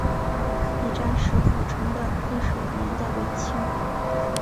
亦扎石古城的历史年代为清。